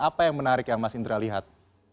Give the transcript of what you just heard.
apa yang menarik yang mas indra lihat